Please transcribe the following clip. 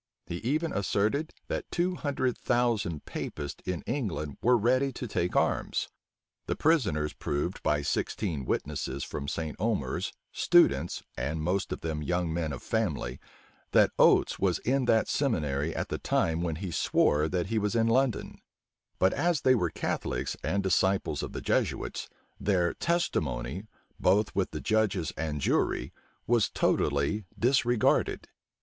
He even asserted, that two hundred thousand Papists in England were ready to take arms. The prisoners proved by sixteen witnesses from St. Omers, students, and most of them young men of family, that Oates was in that seminary at the time when he swore that he was in London: but as they were Catholics and disciples of the Jesuits, their Testimony, both with the judges and jury, was totally disregarded.